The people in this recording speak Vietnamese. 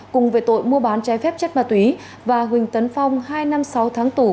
cùng về tội mua bán trái phép chất ma túy và huỳnh tấn phong hai năm sáu tháng tù